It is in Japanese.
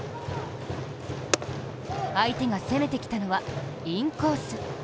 相手が攻めてきたのはインコース。